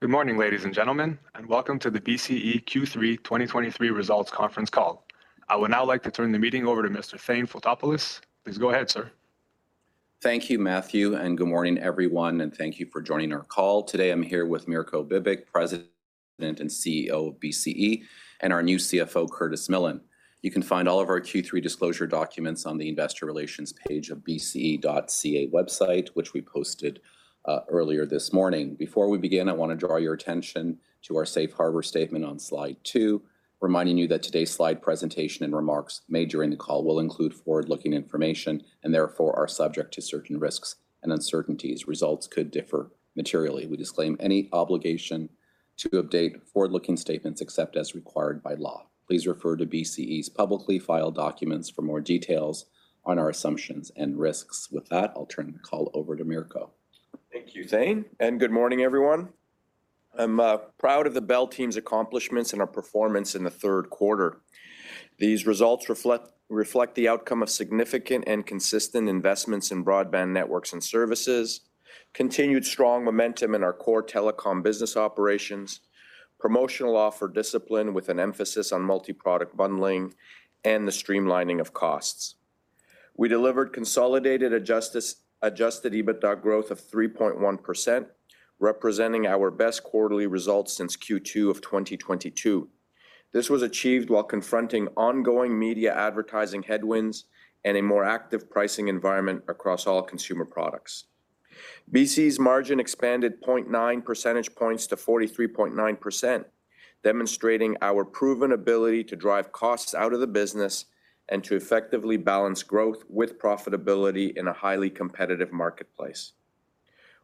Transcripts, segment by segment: Good morning, ladies and gentlemen, and welcome to the BCE Q3 2023 Results Conference Call. I would now like to turn the meeting over to Mr. Thane Fotopoulos. Please go ahead, sir. Thank you, Matthew, and good morning, everyone, and thank you for joining our call. Today, I'm here with Mirko Bibic, President and CEO of BCE, and our new CFO, Curtis Millen. You can find all of our Q3 disclosure documents on the investor relations page of BCE.ca website, which we posted earlier this morning. Before we begin, I want to draw your attention to our safe harbor statement on slide two, reminding you that today's slide presentation and remarks made during the call will include forward-looking information and therefore are subject to certain risks and uncertainties. Results could differ materially. We disclaim any obligation to update forward-looking statements except as required by law. Please refer to BCE's publicly filed documents for more details on our assumptions and risks. With that, I'll turn the call over to Mirko. Thank you, Thane, and good morning, everyone. I'm proud of the Bell team's accomplishments and our performance in the third quarter. These results reflect the outcome of significant and consistent investments in broadband networks and services, continued strong momentum in our core telecom business operations, promotional offer discipline with an emphasis on multi-product bundling, and the streamlining of costs. We delivered consolidated Adjusted EBITDA growth of 3.1%, representing our best quarterly results since Q2 of 2022. This was achieved while confronting ongoing media advertising headwinds and a more active pricing environment across all consumer products. BCE's margin expanded 0.9 percentage points to 43.9%, demonstrating our proven ability to drive costs out of the business and to effectively balance growth with profitability in a highly competitive marketplace.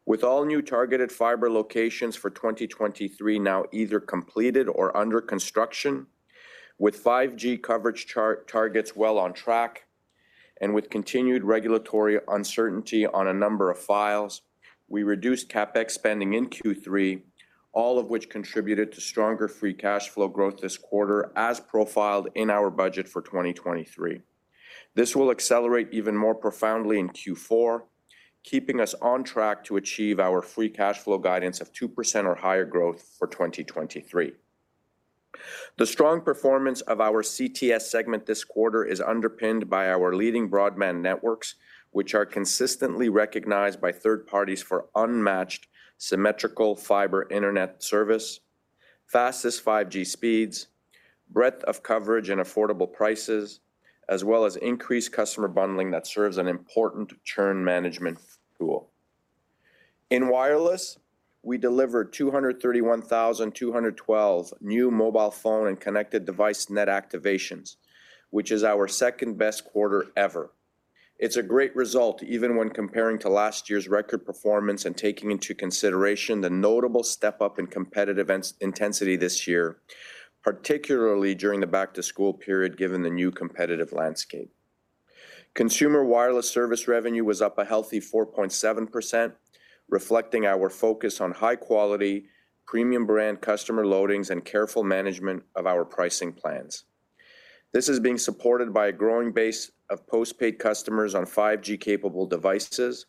With all new targeted fibre locations for 2023 now either completed or under construction, with 5G coverage targets well on track, and with continued regulatory uncertainty on a number of files, we reduced CapEx spending in Q3, all of which contributed to stronger Free Cash Flow growth this quarter, as profiled in our budget for 2023. This will accelerate even more profoundly in Q4, keeping us on track to achieve our Free Cash Flow guidance of 2% or higher growth for 2023. The strong performance of our CTS segment this quarter is underpinned by our leading broadband networks, which are consistently recognized by third parties for unmatched symmetrical fibre internet service, fastest 5G speeds, breadth of coverage and affordable prices, as well as increased customer bundling that serves an important churn management tool. In wireless, we delivered 231,212 new mobile phone and connected device net activations, which is our second-best quarter ever. It's a great result, even when comparing to last year's record performance and taking into consideration the notable step-up in competitive intensity this year, particularly during the back-to-school period, given the new competitive landscape. Consumer wireless service revenue was up a healthy 4.7%, reflecting our focus on high-quality, premium brand customer loadings and careful management of our pricing plans. This is being supported by a growing base of postpaid customers on 5G-capable devices,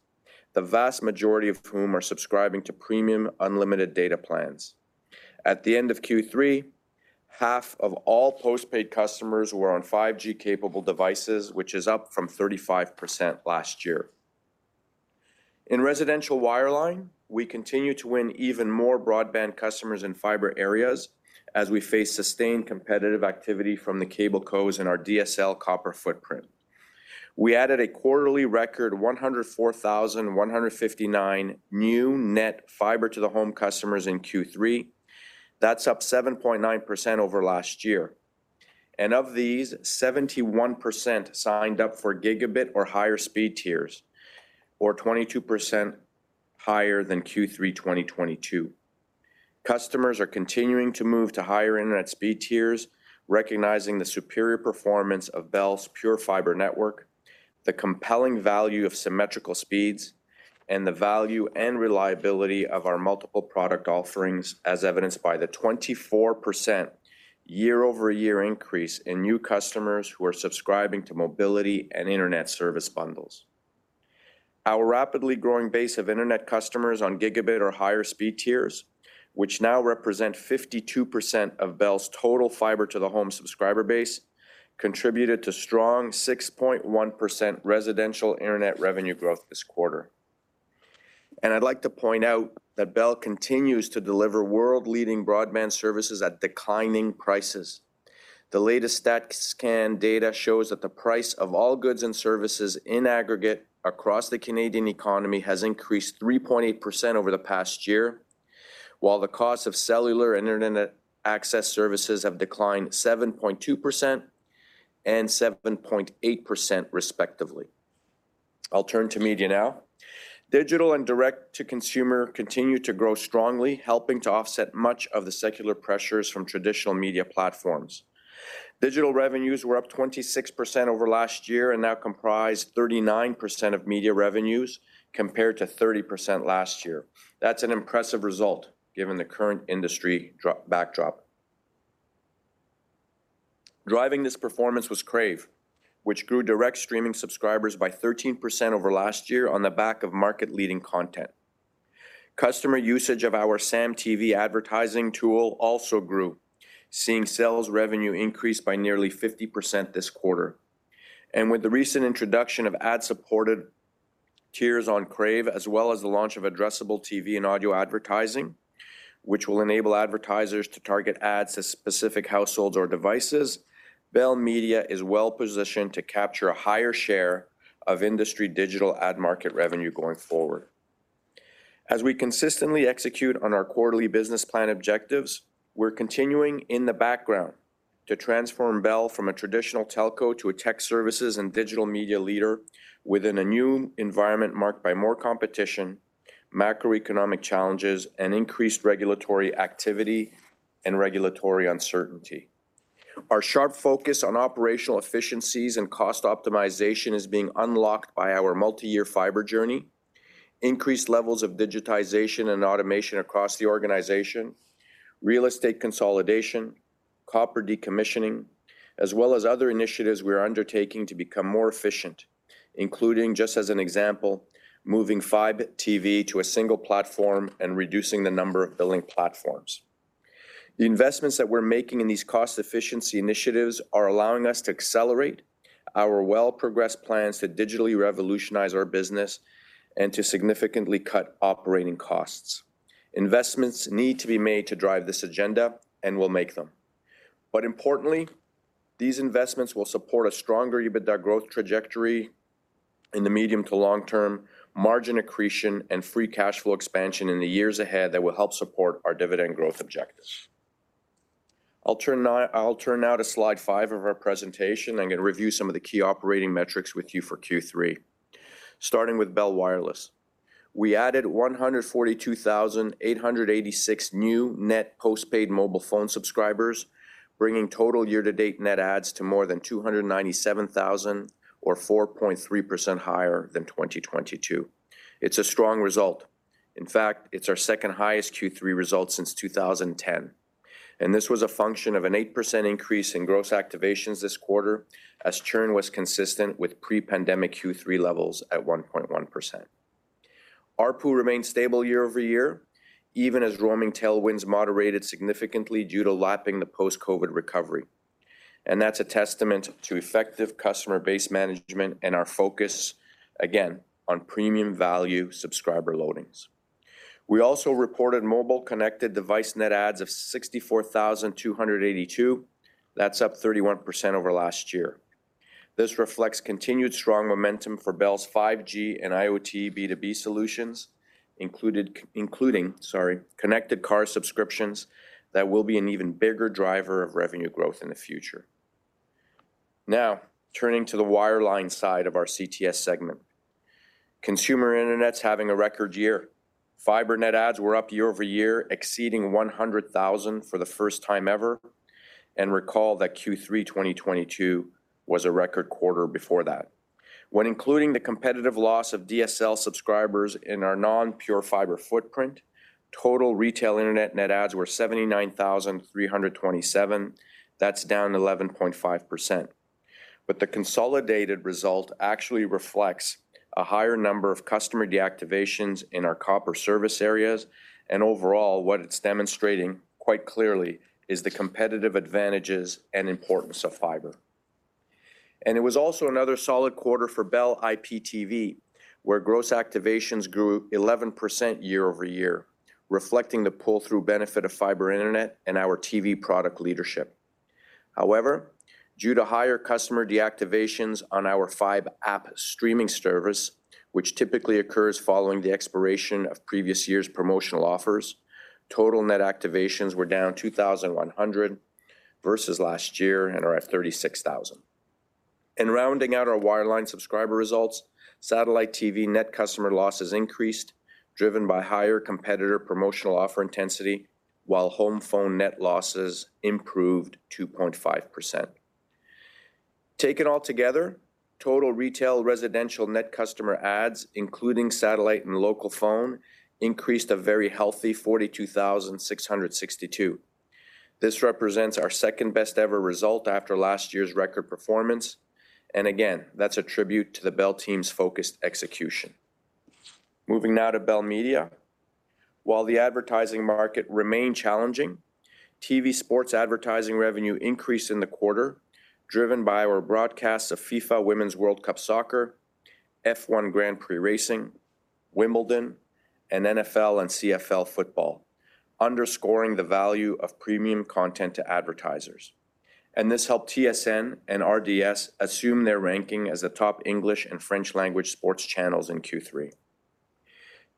the vast majority of whom are subscribing to premium unlimited data plans. At the end of Q3, half of all postpaid customers were on 5G-capable devices, which is up from 35% last year. In residential wireline, we continue to win even more broadband customers in fibre areas as we face sustained competitive activity from the cablecos in our DSL copper footprint. We added a quarterly record 104,159 new net Fibre to the Home customers in Q3. That's up 7.9% over last year. And of these, 71% signed up for gigabit or higher speed tiers, or 22% higher than Q3 2022. Customers are continuing to move to higher internet speed tiers, recognizing the superior performance of Bell's pure fibre network, the compelling value of symmetrical speeds, and the value and reliability of our multiple product offerings, as evidenced by the 24% year-over-year increase in new customers who are subscribing to mobility and internet service bundles. Our rapidly growing base of internet customers on gigabit or higher speed tiers, which now represent 52% of Bell's total Fibre to the Home subscriber base, contributed to strong 6.1% residential internet revenue growth this quarter. And I'd like to point out that Bell continues to deliver world-leading broadband services at declining prices. The latest StatCan data shows that the price of all goods and services in aggregate across the Canadian economy has increased 3.8% over the past year, while the cost of cellular and internet access services have declined 7.2% and 7.8%, respectively. I'll turn to media now. Digital and direct-to-consumer continue to grow strongly, helping to offset much of the secular pressures from traditional media platforms. Digital revenues were up 26% over last year and now comprise 39% of media revenues, compared to 30% last year. That's an impressive result, given the current industry backdrop. Driving this performance was Crave, which grew direct streaming subscribers by 13% over last year on the back of market-leading content. Customer usage of our SAM TV advertising tool also grew, seeing sales revenue increase by nearly 50% this quarter. And with the recent introduction of ad-supported tiers on Crave, as well as the launch of addressable TV and audio advertising, which will enable advertisers to target ads to specific households or devices, Bell Media is well-positioned to capture a higher share of industry digital ad market revenue going forward. As we consistently execute on our quarterly business plan objectives, we're continuing in the background to transform Bell from a traditional telco to a tech services and digital media leader within a new environment marked by more competition, macroeconomic challenges, and increased regulatory activity and regulatory uncertainty. Our sharp focus on operational efficiencies and cost optimization is being unlocked by our multi-year fibre journey, increased levels of digitization and automation across the organization, real estate consolidation, copper decommissioning, as well as other initiatives we are undertaking to become more efficient, including, just as an example, moving Fibe TV to a single platform and reducing the number of billing platforms. The investments that we're making in these cost efficiency initiatives are allowing us to accelerate our well-progressed plans to digitally revolutionize our business and to significantly cut operating costs. Investments need to be made to drive this agenda, and we'll make them. But importantly, these investments will support a stronger EBITDA growth trajectory in the medium to long term, margin accretion, and free cash flow expansion in the years ahead that will help support our dividend growth objectives. I'll turn now, I'll turn now to slide five of our presentation. I'm going to review some of the key operating metrics with you for Q3. Starting with Bell Wireless. We added 142,886 new net postpaid mobile phone subscribers, bringing total year-to-date net adds to more than 297,000 or 4.3% higher than 2022. It's a strong result. In fact, it's our second-highest Q3 result since 2010, and this was a function of an 8% increase in gross activations this quarter, as churn was consistent with pre-pandemic Q3 levels at 1.1%. ARPU remained stable year-over-year, even as roaming tailwinds moderated significantly due to lapping the post-COVID recovery. And that's a testament to effective customer base management and our focus, again, on premium value subscriber loadings. We also reported mobile connected device net adds of 64,282. That's up 31% over last year. This reflects continued strong momentum for Bell's 5G and IoT B2B solutions, including connected car subscriptions that will be an even bigger driver of revenue growth in the future. Now, turning to the wireline side of our CTS segment. Consumer Internet's having a record year. fibre net adds were up year-over-year, exceeding 100,000 for the first time ever, and recall that Q3 2022 was a record quarter before that. When including the competitive loss of DSL subscribers in our non-pure fibre footprint, total retail Internet net adds were 79,327. That's down 11.5%. But the consolidated result actually reflects a higher number of customer deactivations in our copper service areas, and overall, what it's demonstrating, quite clearly, is the competitive advantages and importance of fibre. And it was also another solid quarter for Bell IPTV, where gross activations grew 11% year-over-year, reflecting the pull-through benefit of fibre internet and our TV product leadership. However, due to higher customer deactivations on our Fibe App streaming service, which typically occurs following the expiration of previous year's promotional offers, total net activations were down 2,100 versus last year and are at 36,000. In rounding out our wireline subscriber results, satellite TV net customer losses increased, driven by higher competitor promotional offer intensity, while home phone net losses improved 2.5%. Taken all together, total retail residential net customer adds, including satellite and local phone, increased a very healthy 42,662. This represents our second-best-ever result after last year's record performance, and again, that's a tribute to the Bell team's focused execution. Moving now to Bell Media. While the advertising market remained challenging, TV sports advertising revenue increased in the quarter, driven by our broadcasts of FIFA Women's World Cup Soccer, F1 Grand Prix Racing, Wimbledon, and NFL and CFL football, underscoring the value of premium content to advertisers. This helped TSN and RDS assume their ranking as the top English and French language sports channels in Q3.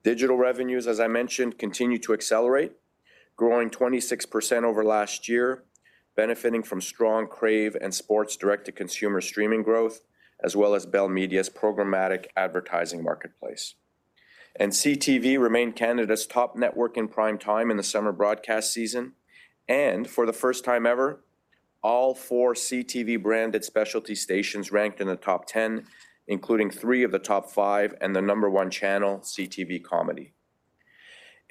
Digital revenues, as I mentioned, continued to accelerate, growing 26% over last year, benefiting from strong Crave and sports direct-to-consumer streaming growth, as well as Bell Media's programmatic advertising marketplace. CTV remained Canada's top network in prime time in the summer broadcast season, and for the first time ever, all four CTV-branded specialty stations ranked in the top ten, including three of the top five and the number one channel, CTV Comedy.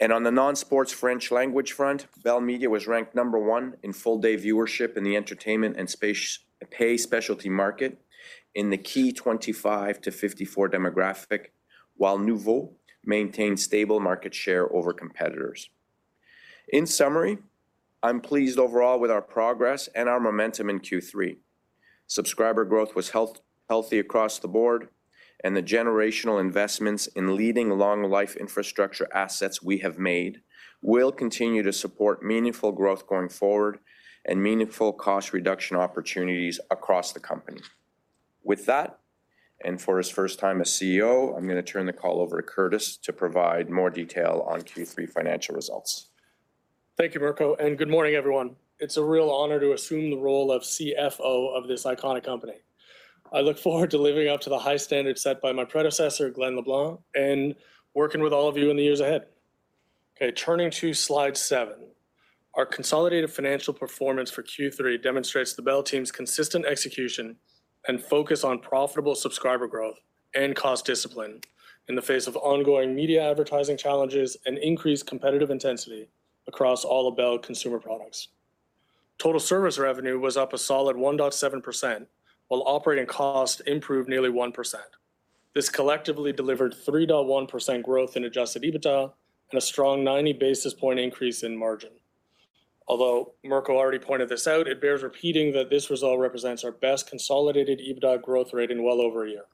On the non-sports French language front, Bell Media was ranked number one in full-day viewership in the entertainment and pay specialty market in the key 25-54 demographic, while Noovo maintained stable market share over competitors. In summary, I'm pleased overall with our progress and our momentum in Q3. Subscriber growth was healthy across the board, and the generational investments in leading long-life infrastructure assets we have made will continue to support meaningful growth going forward and meaningful cost reduction opportunities across the company. With that, and for his first time as CEO, I'm going to turn the call over to Curtis to provide more detail on Q3 financial results. Thank you, Mirko, and good morning, everyone. It's a real honor to assume the role of CFO of this iconic company. I look forward to living up to the high standards set by my predecessor, Glen LeBlanc, and working with all of you in the years ahead. Okay, turning to slide seven. Our consolidated financial performance for Q3 demonstrates the Bell team's consistent execution and focus on profitable subscriber growth and cost discipline in the face of ongoing media advertising challenges and increased competitive intensity across all of Bell consumer products. Total service revenue was up a solid 1.7%, while operating cost improved nearly 1%. This collectively delivered 3.1% growth in adjusted EBITDA and a strong 90 basis point increase in margin. Although Mirko already pointed this out, it bears repeating that this result represents our best consolidated EBITDA growth rate in well over a year.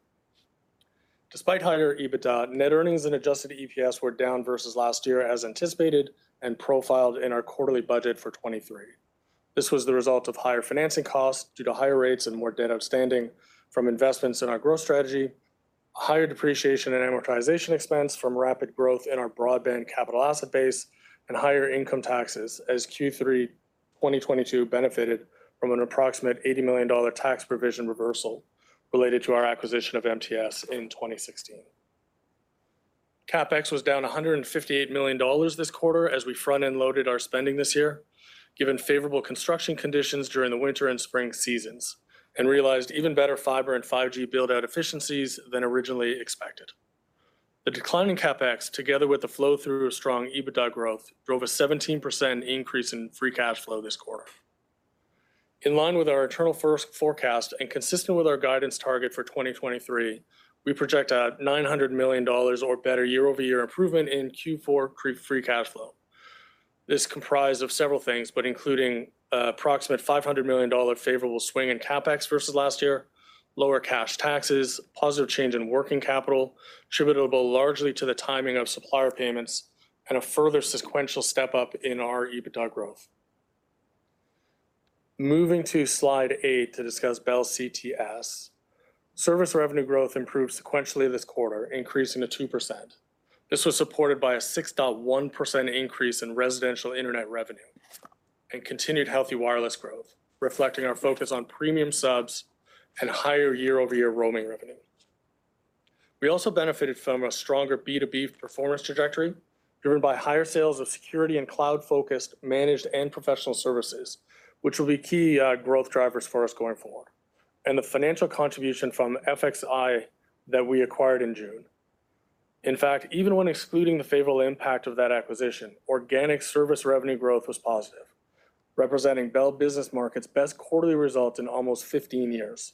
Despite higher EBITDA, net earnings and adjusted EPS were down versus last year, as anticipated and profiled in our quarterly budget for 2023. This was the result of higher financing costs due to higher rates and more debt outstanding from investments in our growth strategy, higher depreciation and amortization expense from rapid growth in our broadband capital asset base, and higher income taxes, as Q3 2022 benefited from an approximate 80 million dollar tax provision reversal related to our acquisition of MTS in 2016. CapEx was down $158 million this quarter as we front-end loaded our spending this year, given favorable construction conditions during the winter and spring seasons, and realized even better fibre and 5G build-out efficiencies than originally expected. The decline in CapEx, together with the flow-through of strong EBITDA growth, drove a 17% increase in free cash flow this quarter. In line with our internal first forecast and consistent with our guidance target for 2023, we project a 900 million dollars or better year-over-year improvement in Q4 pre-free cash flow. This is comprised of several things, but including, approximate 500 million dollar favorable swing in CapEx versus last year, lower cash taxes, positive change in working capital, attributable largely to the timing of supplier payments and a further sequential step up in our EBITDA growth. Moving to slide eight to discuss Bell CTS. Service revenue growth improved sequentially this quarter, increasing to 2%. This was supported by a 6.1% increase in residential internet revenue and continued healthy wireless growth, reflecting our focus on premium subs and higher year-over-year roaming revenue. We also benefited from a stronger B2B performance trajectory, driven by higher sales of security and cloud-focused, managed and professional services, which will be key growth drivers for us going forward, and the financial contribution from FXI that we acquired in June. In fact, even when excluding the favorable impact of that acquisition, organic service revenue growth was positive, representing Bell Business Market's best quarterly result in almost 15 years.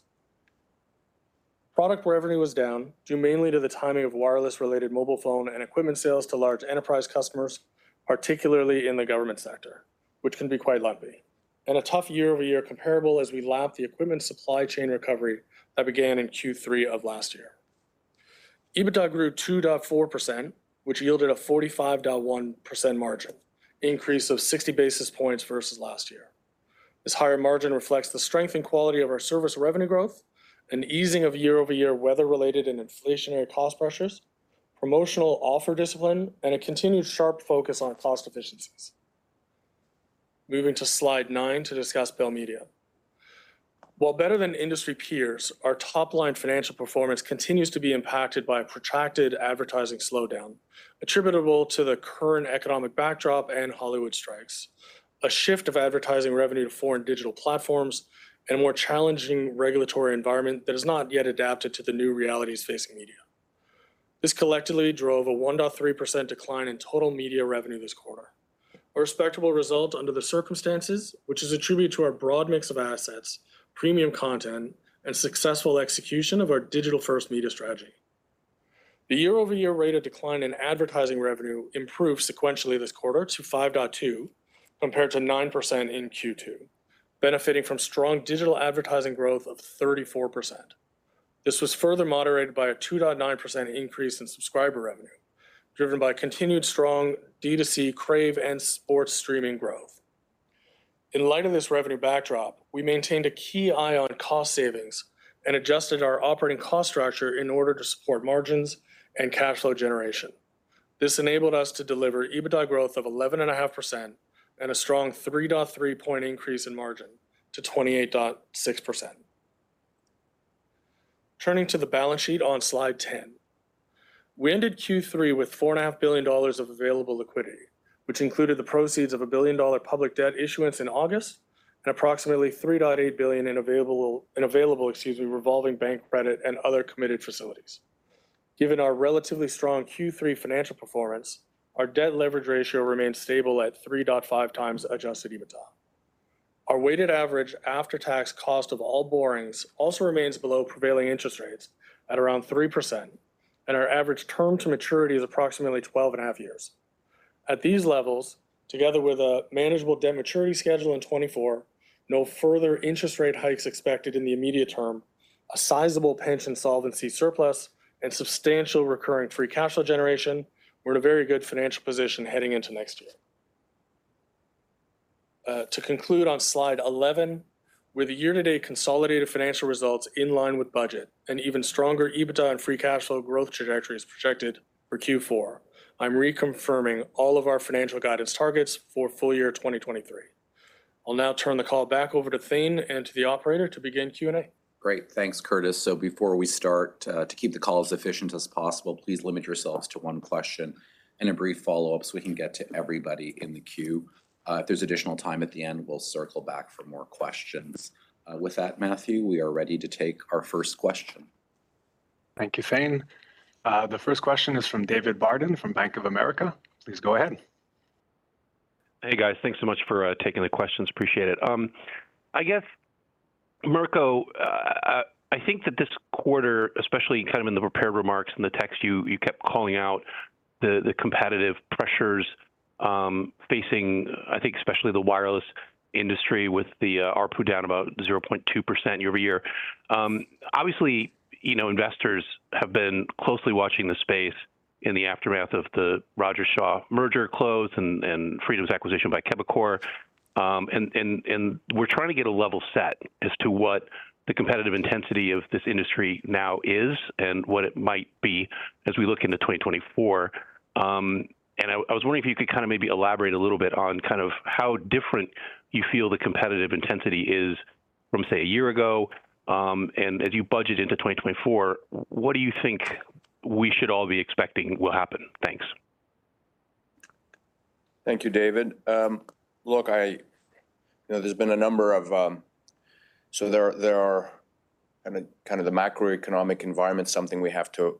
Product revenue was down, due mainly to the timing of wireless-related mobile phone and equipment sales to large enterprise customers, particularly in the government sector, which can be quite lumpy, and a tough year-over-year comparable as we lapped the equipment supply chain recovery that began in Q3 of last year. EBITDA grew 2.4%, which yielded a 45.1% margin, an increase of 60 basis points versus last year. This higher margin reflects the strength and quality of our service revenue growth, an easing of year-over-year weather-related and inflationary cost pressures, promotional offer discipline, and a continued sharp focus on cost efficiencies. Moving to slide nine to discuss Bell Media. While better than industry peers, our top-line financial performance continues to be impacted by a protracted advertising slowdown attributable to the current economic backdrop and Hollywood strikes, a shift of advertising revenue to foreign digital platforms, and a more challenging regulatory environment that has not yet adapted to the new realities facing media. This collectively drove a 1.3% decline in total media revenue this quarter. A respectable result under the circumstances, which is a tribute to our broad mix of assets, premium content, and successful execution of our digital-first media strategy. The year-over-year rate of decline in advertising revenue improved sequentially this quarter to 5.2%, compared to 9% in Q2, benefiting from strong digital advertising growth of 34%. This was further moderated by a 2.9% increase in subscriber revenue, driven by continued strong D2C Crave and sports streaming growth. In light of this revenue backdrop, we maintained a key eye on cost savings and adjusted our operating cost structure in order to support margins and cash flow generation. This enabled us to deliver EBITDA growth of 11.5% and a strong 3.3% increase in margin to 28.6%. Turning to the balance sheet on slide 10. We ended Q3 with 4.5 billion dollars of available liquidity which included the proceeds of a 1 billion-dollar public debt issuance in August, and approximately 3.8 billion in available, excuse me, revolving bank credit and other committed facilities. Given our relatively strong Q3 financial performance, our debt leverage ratio remains stable at 3.5x Adjusted EBITDA. Our weighted average after-tax cost of all borrowings also remains below prevailing interest rates at around 3%, and our average term to maturity is approximately 12.5 years. At these levels, together with a manageable debt maturity schedule in 2024, no further interest rate hikes expected in the immediate term, a sizable pension solvency surplus, and substantial recurring Free Cash Flow generation, we're in a very good financial position heading into next year. To conclude on slide 11, with the year-to-date consolidated financial results in line with budget and even stronger EBITDA and free cash flow growth trajectory is projected for Q4, I'm reconfirming all of our financial guidance targets for full year 2023. I'll now turn the call back over to Thane and to the operator to begin Q&A. Great. Thanks, Curtis. Before we start, to keep the call as efficient as possible, please limit yourselves to one question and a brief follow-up so we can get to everybody in the queue. If there's additional time at the end, we'll circle back for more questions. With that, Matthew, we are ready to take our first question. Thank you, Thane. The first question is from David Barden, from Bank of America. Please go ahead. Hey, guys. Thanks so much for taking the questions. Appreciate it. I guess, Mirko, I think that this quarter, especially kind of in the prepared remarks and the text, you kept calling out the competitive pressures facing, I think, especially the wireless industry with the ARPU down about 0.2% year-over-year. Obviously, you know, investors have been closely watching the space in the aftermath of the Rogers-Shaw merger close and Freedom's acquisition by Quebecor. And we're trying to get a level set as to what the competitive intensity of this industry now is and what it might be as we look into 2024. I was wondering if you could kind of maybe elaborate a little bit on kind of how different you feel the competitive intensity is from, say, a year ago, and as you budget into 2024, what do you think we should all be expecting will happen? Thanks. Thank you, David. Look, you know, there's been a number of. So there, there are, I mean, kind of the macroeconomic environment, something we have to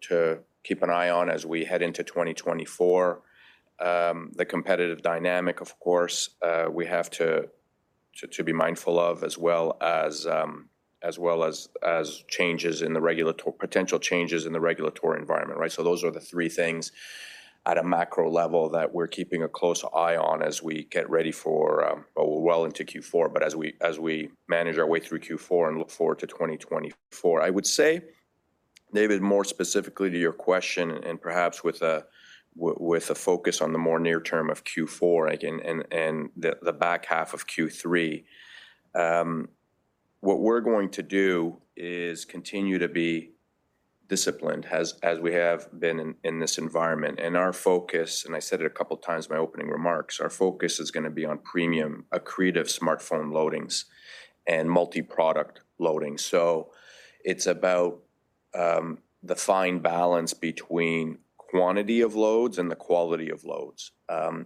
keep an eye on as we head into 2024. The competitive dynamic, of course, we have to be mindful of, as well as changes in the regulatory - potential changes in the regulatory environment, right? So those are the three things at a macro level that we're keeping a close eye on as we get ready for, well into Q4, but as we manage our way through Q4 and look forward to 2024. I would say, David, more specifically to your question and perhaps with a focus on the more near term of Q4, again, and the back half of Q3, what we're going to do is continue to be disciplined as we have been in this environment. Our focus, and I said it a couple times in my opening remarks, our focus is gonna be on premium, accretive smartphone loadings and multi-product loading. So it's about the fine balance between quantity of loads and the quality of loads.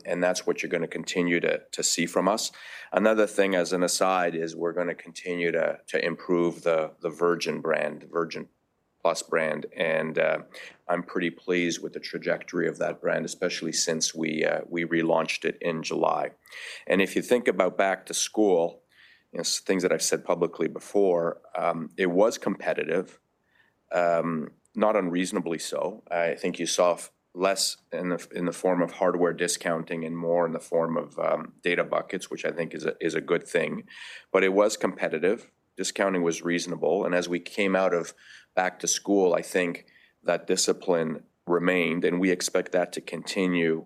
And that's what you're gonna continue to see from us. Another thing, as an aside, is we're gonna continue to improve the Virgin brand, Virgin+ brand, and I'm pretty pleased with the trajectory of that brand, especially since we relaunched it in July. And if you think about back to school, you know, things that I've said publicly before, it was competitive, not unreasonably so. I think you saw less in the form of hardware discounting and more in the form of data buckets, which I think is a good thing. But it was competitive. Discounting was reasonable, and as we came out of back to school, I think that discipline remained, and we expect that to continue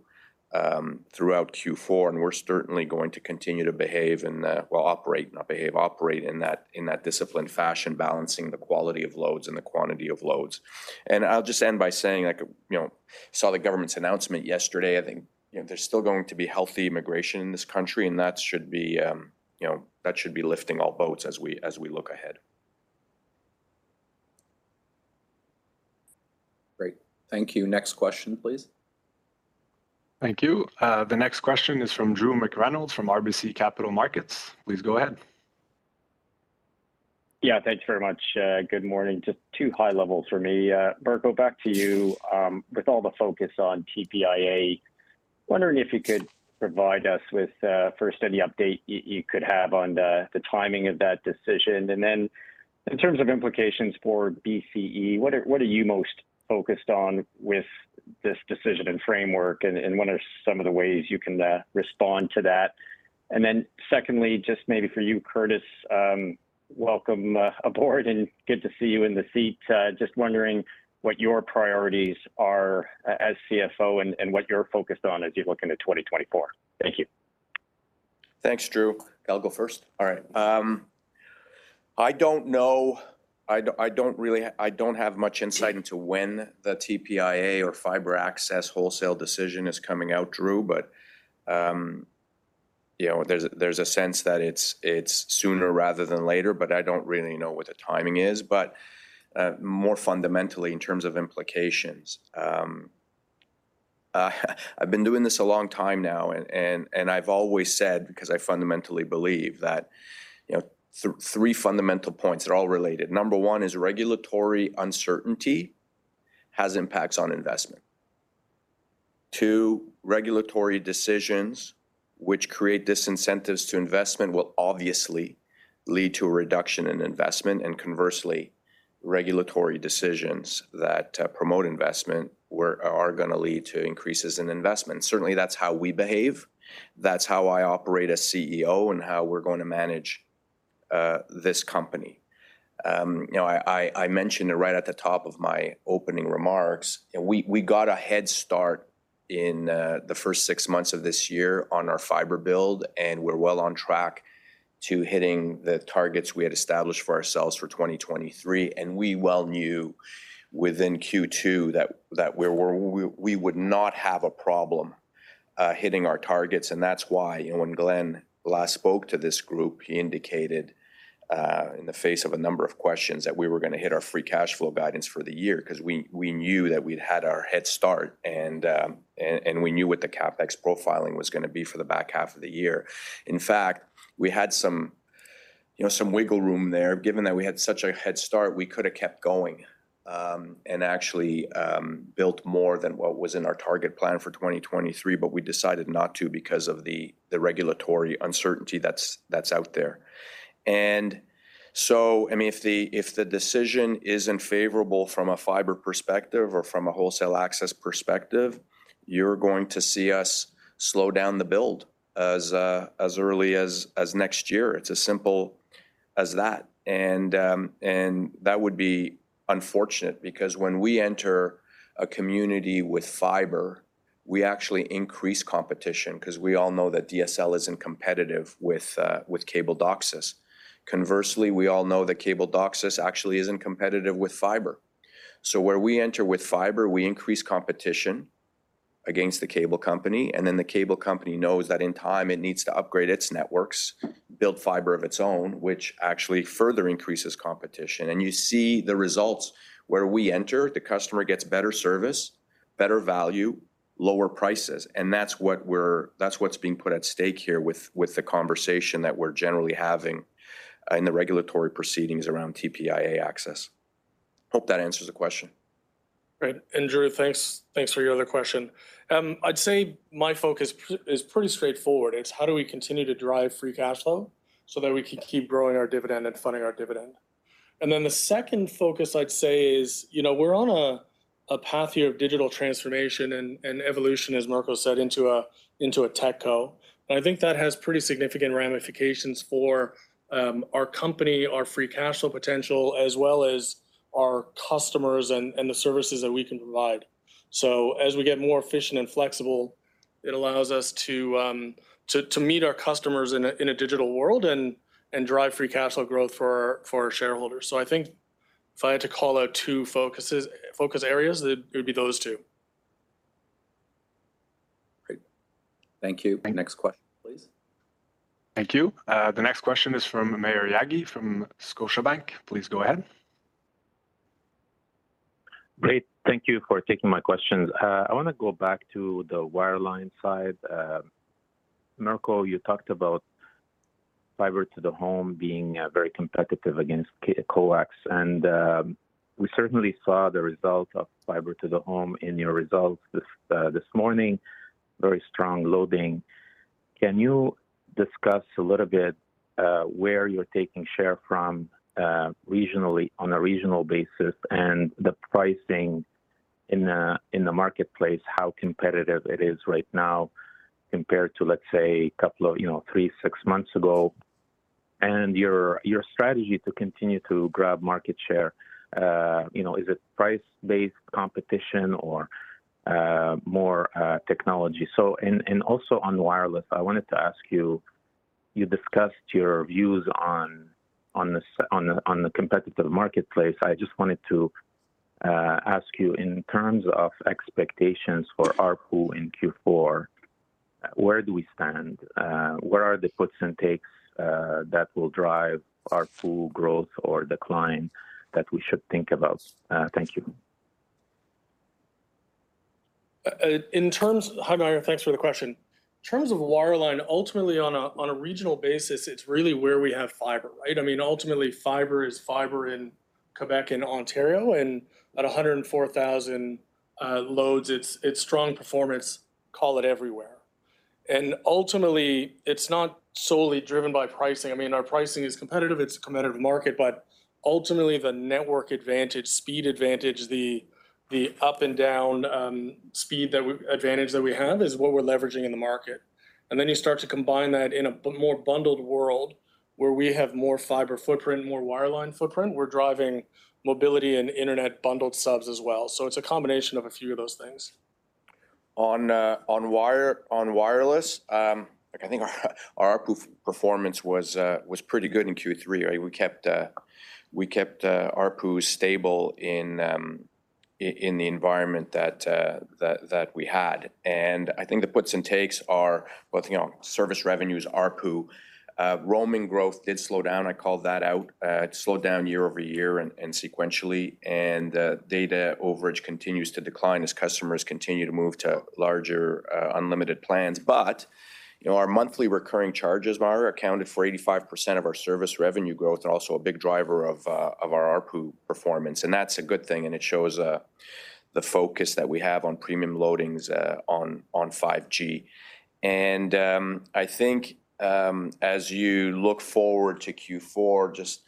throughout Q4, and we're certainly going to continue to behave and, well, operate, not behave, operate in that disciplined fashion, balancing the quality of loads and the quantity of loads. And I'll just end by saying, like, you know, saw the government's announcement yesterday.I think, you know, there's still going to be healthy immigration in this country, and that should be, you know, that should be lifting all boats as we, as we look ahead. Great. Thank you. Next question, please. Thank you. The next question is from Drew McReynolds from RBC Capital Markets. Please go ahead. Yeah, thank you very much. Good morning. Just two high levels for me. Mirko, back to you. With all the focus on TPIA, wondering if you could provide us with, first, any update you could have on the timing of that decision? And then, in terms of implications for BCE, what are you most focused on with this decision and framework, and what are some of the ways you can respond to that? And then, secondly, just maybe for you, Curtis, welcome aboard, and good to see you in the seat. Just wondering what your priorities are as CFO and what you're focused on as you look into 2024. Thank you. Thanks, Drew. I'll go first. All right. I don't know. I don't really have much insight into when the TPIA or fibre access wholesale decision is coming out, Drew, but you know, there's a sense that it's sooner rather than later, but I don't really know what the timing is. But, more fundamentally, in terms of implications, I've been doing this a long time now, and I've always said, because I fundamentally believe that, you know, three fundamental points, they're all related. Number one is regulatory uncertainty has impacts on investment. Two, regulatory decisions which create disincentives to investment will obviously lead to a reduction in investment, and conversely, regulatory decisions that promote investment are gonna lead to increases in investment. Certainly, that's how we behave, that's how I operate as CEO, and how we're going to manage this company. You know, I mentioned it right at the top of my opening remarks, and we got a head start in the first six months of this year on our fibre build, and we're well on track to hitting the targets we had established for ourselves for 2023. And we well knew within Q2 that we would not have a problem hitting our targets. And that's why, you know, when Glen last spoke to this group, he indicated in the face of a number of questions, that we were gonna hit our Free Cash Flow guidance for the year. 'Cause we knew that we'd had our head start, and we knew what the CapEx profiling was gonna be for the back half of the year. In fact, we had some, you know, wiggle room there. Given that we had such a head start, we could've kept going, and actually built more than what was in our target plan for 2023, but we decided not to because of the regulatory uncertainty that's out there. And so, I mean, if the decision isn't favorable from a fibre perspective or from a wholesale access perspective, you're going to see us slow down the build as early as next year. It's as simple as that. And that would be unfortunate because when we enter a community with fibre, we actually increase competition. 'Cause we all know that DSL isn't competitive with cable DOCSIS. Conversely, we all know that cable DOCSIS actually isn't competitive with fibre. So where we enter with fibre, we increase competition against the cable company, and then the cable company knows that in time, it needs to upgrade its networks, build fibre of its own, which actually further increases competition. And you see the results. Where we enter, the customer gets better service, better value, lower prices, and that's what we're- that's what's being put at stake here with the conversation that we're generally having in the regulatory proceedings around TPIA access. Hope that answers the question. Great. And Drew, thanks, thanks for your other question. I'd say my focus is pretty straightforward. It's how do we continue to drive Free Cash Flow so that we can keep growing our dividend and funding our dividend? And then the second focus, I'd say, is, you know, we're on a path here of digital transformation and evolution, as Mirko said, into a tech co. And I think that has pretty significant ramifications for our company, our Free Cash Flow potential, as well as our customers and the services that we can provide. So as we get more efficient and flexible, it allows us to meet our customers in a digital world and drive Free Cash Flow growth for our shareholders. I think if I had to call out two focuses, focus areas, it would be those two. Great. Thank you. Next question, please. Thank you. The next question is from Maher Yaghi from Scotiabank. Please go ahead. Great. Thank you for taking my questions. I want to go back to the wireline side. Mirko, you talked about Fibre to the Home being very competitive against coax, and we certainly saw the result of Fibre to the Home in your results this morning, very strong loading. Can you discuss a little bit where you're taking share from regionally, on a regional basis, and the pricing in the marketplace, how competitive it is right now compared to, let's say, couple of you know, three, six months ago, and your strategy to continue to grab market share? You know, is it price-based competition or more technology? And also on wireless, I wanted to ask you, you discussed your views on the competitive marketplace. I just wanted to ask you, in terms of expectations for ARPU in Q4, where do we stand? What are the puts and takes that will drive ARPU growth or decline that we should think about? Thank you. Hi, Maher, thanks for the question. In terms of wireline, ultimately, on a regional basis, it's really where we have fibre, right? I mean, ultimately, fibre is fibre in Quebec and Ontario, and at 104,000 loads, it's strong performance, call it everywhere. And ultimately, it's not solely driven by pricing. I mean, our pricing is competitive, it's a competitive market, but ultimately, the network advantage, speed advantage, the up and down speed advantage that we have, is what we're leveraging in the market. And then you start to combine that in a more bundled world, where we have more fibre footprint, more wireline footprint. We're driving mobility and internet bundled subs as well, so it's a combination of a few of those things. On wireless, like, I think our ARPU performance was pretty good in Q3, right? We kept ARPU stable in the environment that we had. And I think the puts and takes are both, you know, service revenues, ARPU. Roaming growth did slow down. I called that out. It slowed down year-over-year and sequentially, and data overage continues to decline as customers continue to move to larger unlimited plans. But, you know, our monthly recurring charges, Mara, accounted for 85% of our service revenue growth and also a big driver of our ARPU performance, and that's a good thing, and it shows the focus that we have on premium loadings on 5G. I think, as you look forward to Q4, just,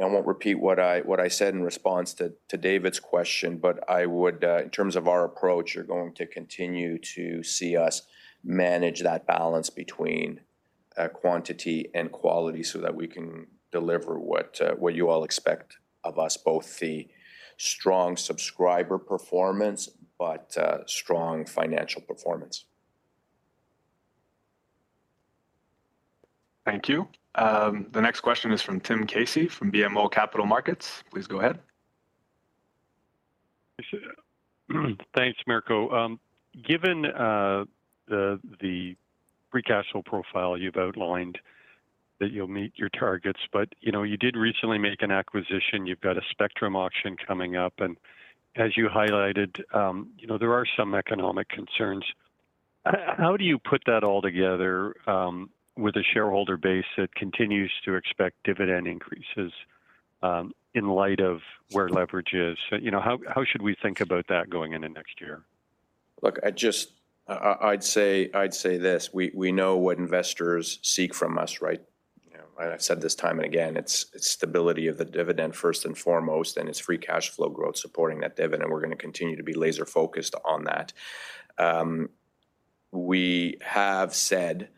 I won't repeat what I, what I said in response to, to David's question, but I would, in terms of our approach, you're going to continue to see us manage that balance between, quantity and quality so that we can deliver what, what you all expect of us, both the strong subscriber performance, but, strong financial performance. Thank you. The next question is from Tim Casey, from BMO Capital Markets. Please go ahead. Thanks, Mirko. Given the free cash flow profile, you've outlined that you'll meet your targets, but you know, you did recently make an acquisition. You've got a spectrum auction coming up, and as you highlighted, you know, there are some economic concerns. How do you put that all together with a shareholder base that continues to expect dividend increases in light of where leverage is? You know, how should we think about that going into next year? Look, I'd say this, we know what investors seek from us, right? You know, and I've said this time and again, it's stability of the dividend first and foremost, and it's free cash flow growth supporting that dividend. We're gonna continue to be laser focused on that. We have said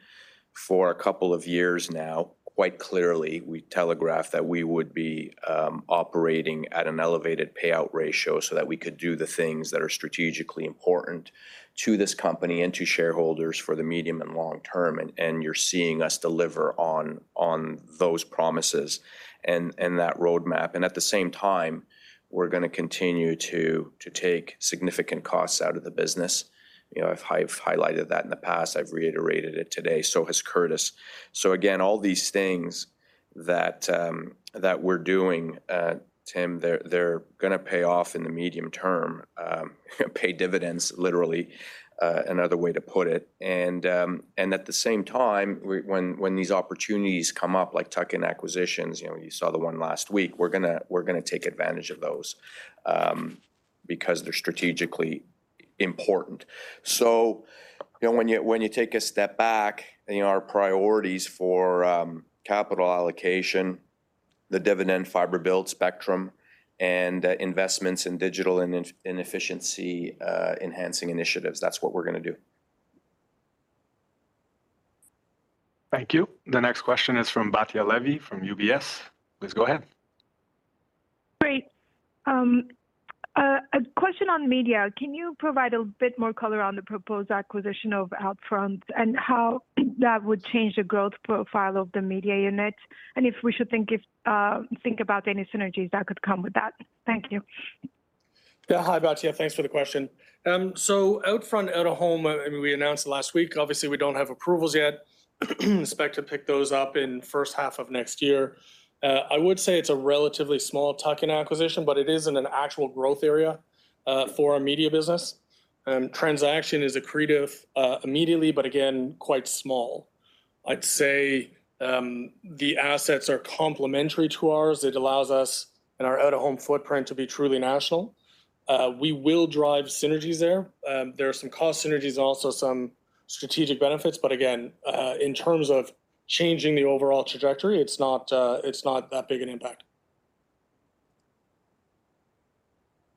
for a couple of years now, quite clearly, we telegraphed that we would be operating at an elevated payout ratio so that we could do the things that are strategically important to this company and to shareholders for the medium and long term, and you're seeing us deliver on those promises and that roadmap. And at the same time, we're gonna continue to take significant costs out of the business. You know, I've highlighted that in the past. I've reiterated it today, so has Curtis. So again, all these things that, that we're doing, Tim, they're, they're gonna pay off in the medium term, pay dividends, literally, another way to put it. And, and at the same time, we- when, when these opportunities come up, like tuck-in acquisitions, you know, you saw the one last week, we're gonna, we're gonna take advantage of those, because they're strategically important. So, you know, when you, when you take a step back, and, you know, our priorities for, capital allocation, the dividend, fibre build, spectrum, and, investments in digital and in, and efficiency, enhancing initiatives, that's what we're gonna do. Thank you. The next question is from Batya Levi, from UBS. Please go ahead. Great. A question on media: Can you provide a bit more color on the proposed acquisition of OUTFRONT and how that would change the growth profile of the media unit? And if we should think about any synergies that could come with that? Thank you. Yeah. Hi, Batya. Thanks for the question. So OUTFRONT out-of-home, I mean, we announced it last week. Obviously, we don't have approvals yet. Expect to pick those up in first half of next year. I would say it's a relatively small tuck-in acquisition, but it is in an actual growth area for our media business. Transaction is accretive immediately, but again, quite small. I'd say, the assets are complementary to ours. It allows us and our out-of-home footprint to be truly national. We will drive synergies there. There are some cost synergies and also some strategic benefits, but again, in terms of changing the overall trajectory, it's not, it's not that big an impact.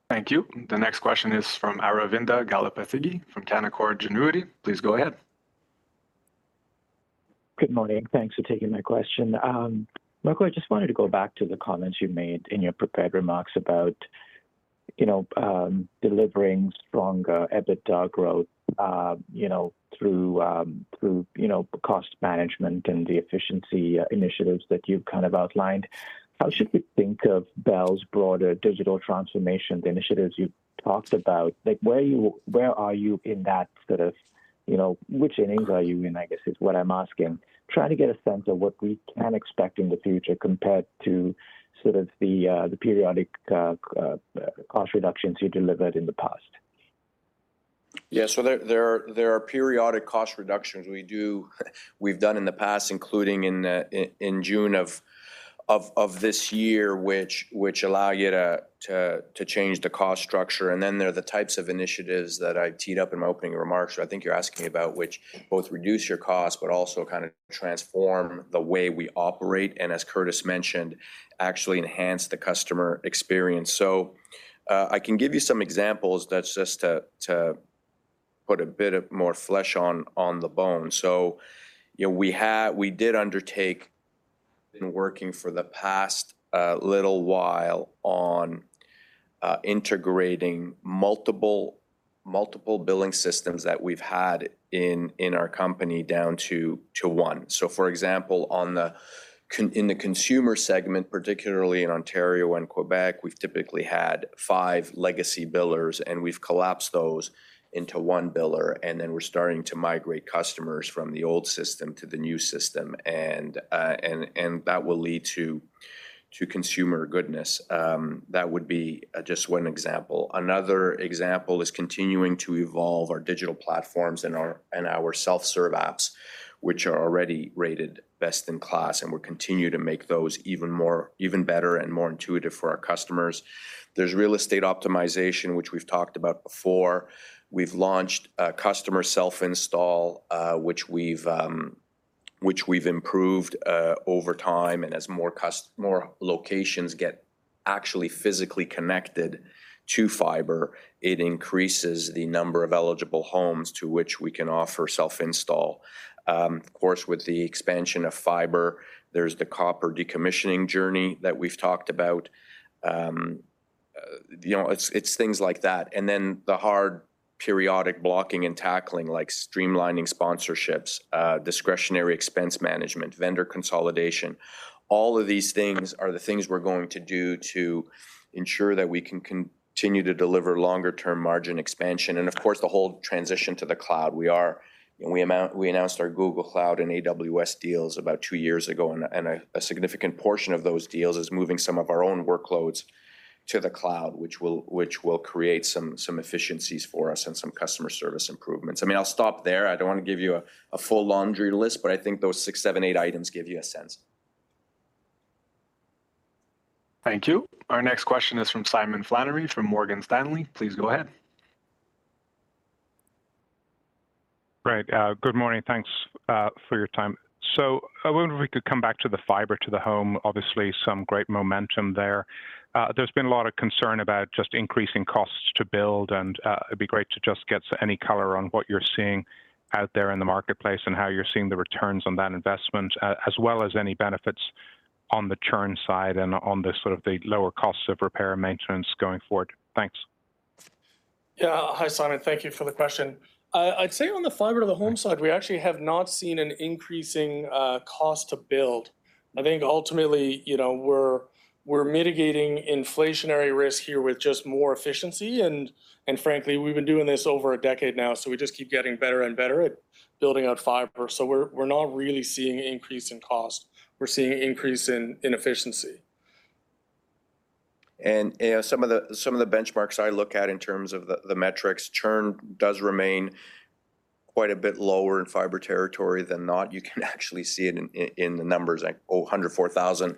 Thank you. The next question is from Aravinda Galappatthige, from Canaccord Genuity. Please go ahead. Good morning. Thanks for taking my question. Mirko, I just wanted to go back to the comments you made in your prepared remarks about, you know, delivering stronger EBITDA growth, you know, through, through, you know, cost management and the efficiency initiatives that you've kind of outlined. How should we think of Bell's broader digital transformation, the initiatives you've talked about? Like, where - where are you in that sort of, you know. Which innings are you in, I guess, is what I'm asking. Try to get a sense of what we can expect in the future compared to sort of the, the periodic cost reductions you delivered in the past. Yeah, so there are periodic cost reductions. We've done in the past, including in June of this year, which allow you to change the cost structure, and then there are the types of initiatives that I teed up in my opening remarks. So I think you're asking about which both reduce your cost, but also kind of transform the way we operate, and as Curtis mentioned, actually enhance the customer experience. So, I can give you some examples. That's just to put a bit more flesh on the bone. So, you know, we have been working for the past little while on integrating multiple billing systems that we've had in our company down to one. So for example, in the consumer segment, particularly in Ontario and Quebec, we've typically had five legacy billers, and we've collapsed those into one biller, and then we're starting to migrate customers from the old system to the new system. And that will lead to consumer goodness. That would be just one example. Another example is continuing to evolve our digital platforms and our self-serve apps, which are already rated best in class, and we'll continue to make those even better and more intuitive for our customers. There's real estate optimization, which we've talked about before. We've launched a customer self-install, which we've improved over time, and as more locations get actually physically connected to fibre, it increases the number of eligible homes to which we can offer self-install. Of course, with the expansion of fibre, there's the copper decommissioning journey that we've talked about. You know, it's things like that, and then the hard periodic blocking and tackling, like streamlining sponsorships, discretionary expense management, vendor consolidation. All of these things are the things we're going to do to ensure that we can continue to deliver longer-term margin expansion, and of course, the whole transition to the cloud. We announced our Google Cloud and AWS deals about two years ago, and a significant portion of those deals is moving some of our own workloads to the cloud, which will create some efficiencies for us and some customer service improvements. I mean, I'll stop there. I don't want to give you a full laundry list, but I think those 6, 7, 8 items give you a sense. Thank you. Our next question is from Simon Flannery, from Morgan Stanley. Please go ahead. Right. Good morning. Thanks for your time. So I wonder if we could come back to the fibre to the home. Obviously, some great momentum there. There's been a lot of concern about just increasing costs to build, and it'd be great to just get any color on what you're seeing out there in the marketplace and how you're seeing the returns on that investment, as well as any benefits on the churn side and on the sort of the lower costs of repair and maintenance going forward. Thanks. Yeah. Hi, Simon. Thank you for the question. I'd say on the fibre to the home side, we actually have not seen an increasing cost to build. I think ultimately, you know, we're mitigating inflationary risk here with just more efficiency, and frankly, we've been doing this over a decade now, so we just keep getting better and better at building out fibre. So we're not really seeing an increase in cost. We're seeing an increase in efficiency. You know, some of the benchmarks I look at in terms of the metrics, churn does remain quite a bit lower in fibre territory than not. You can actually see it in the numbers, like, 104,000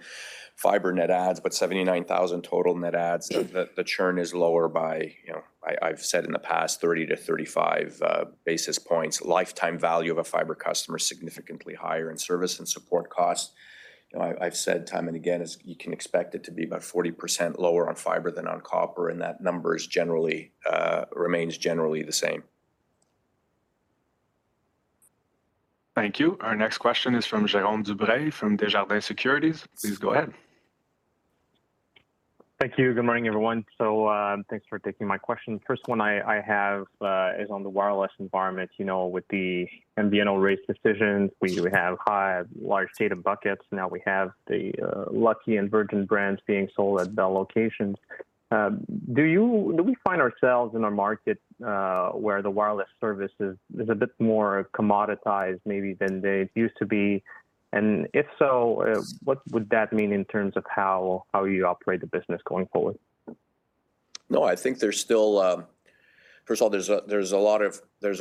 fibre net adds, but 79,000 total net adds. The churn is lower by, you know. I've said in the past, 30-35 basis points. Lifetime value of a fibre customer is significantly higher in service and support costs. You know, I've said time and again, is you can expect it to be about 40% lower on fibre than on copper, and that number is generally remains generally the same. Thank you. Our next question is from Jérome Dubreuil, from Desjardins Securities. Please go ahead. Thank you. Good morning, everyone. So, thanks for taking my question. First one I have is on the wireless environment. You know, with the MVNO rate decisions, we have high, large data buckets. Now we have the Lucky and Virgin brands being sold at Bell locations. Do you- do we find ourselves in a market where the wireless service is a bit more commoditized maybe than they used to be? And if so, what would that mean in terms of how you operate the business going forward? No, I think there's still. First of all, there's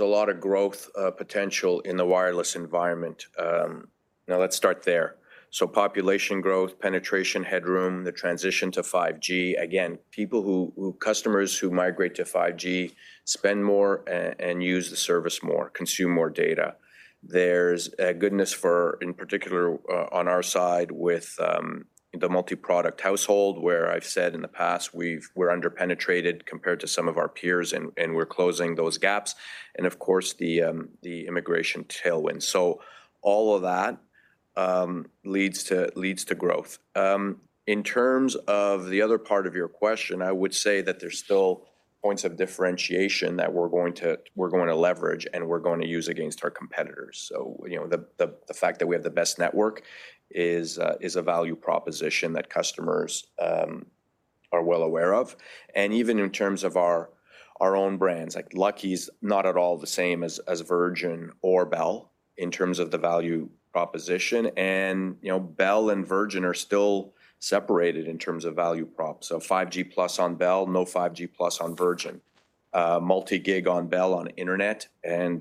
a lot of growth potential in the wireless environment. Now let's start there. So population growth, penetration headroom, the transition to 5G. Again, people who customers who migrate to 5G spend more and use the service more, consume more data. There's a goodness for, in particular, on our side with the multi-product household, where I've said in the past, we're under-penetrated compared to some of our peers, and we're closing those gaps, and of course, the immigration tailwind. So all of that leads to growth. In terms of the other part of your question, I would say that there's still points of differentiation that we're going to leverage and we're going to use against our competitors. So, you know, the fact that we have the best network is a value proposition that customers are well aware of. And even in terms of our own brands, like Lucky's not at all the same as Virgin or Bell, in terms of the value proposition, and, you know, Bell and Virgin are still separated in terms of value prop. So 5G+ on Bell, no 5G+ on Virgin. Multi-gig on Bell on internet and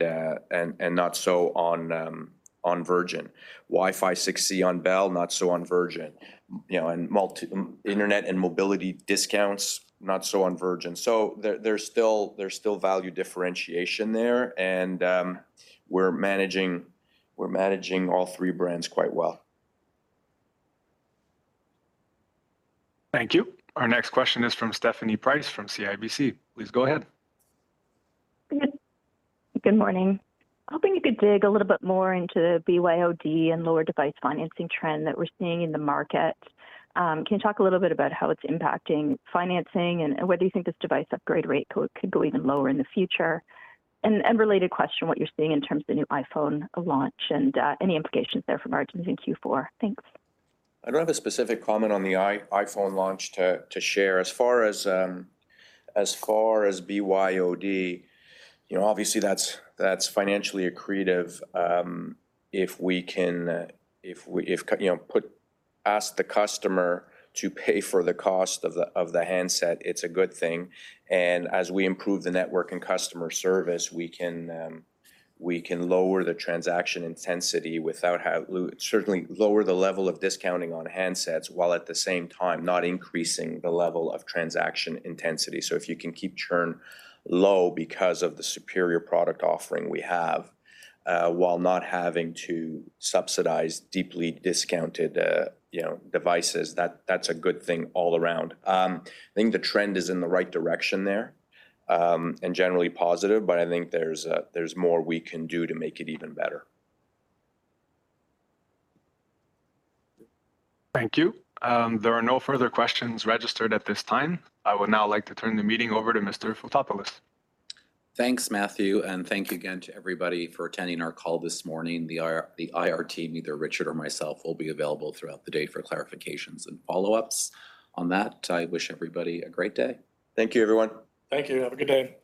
not so on Virgin. Wi-Fi 6E on Bell, not so on Virgin. You know, and multi- internet and mobility discounts, not so on Virgin. So there's still value differentiation there, and we're managing all three brands quite well. Thank you. Our next question is from Stephanie Price, from CIBC. Please go ahead. Good morning. Hoping you could dig a little bit more into the BYOD and lower device financing trend that we're seeing in the market. Can you talk a little bit about how it's impacting financing, and whether you think this device upgrade rate could go even lower in the future? And related question, what you're seeing in terms of the new iPhone launch, and any implications there for margins in Q4? Thanks. I don't have a specific comment on the iPhone launch to share. As far as BYOD, you know, obviously, that's financially accretive. If we can ask the customer to pay for the cost of the handset, it's a good thing, and as we improve the network and customer service, we can lower the transaction intensity, certainly lower the level of discounting on handsets, while at the same time, not increasing the level of transaction intensity. So if you can keep churn low because of the superior product offering we have, while not having to subsidize deeply discounted, you know, devices, that's a good thing all around. I think the trend is in the right direction there, and generally positive, but I think there's more we can do to make it even better. Thank you. There are no further questions registered at this time. I would now like to turn the meeting over to Mr. Fotopoulos. Thanks, Matthew, and thank you again to everybody for attending our call this morning. The IR team, either Richard or myself, will be available throughout the day for clarifications and follow-ups. On that, I wish everybody a great day. Thank you, everyone. Thank you. Have a good day.